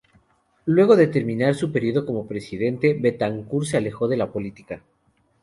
Luego de terminar su periodo como presidente, Betancur se alejó de la política.